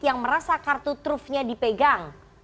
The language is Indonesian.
yang merasa kartu trufnya dipegang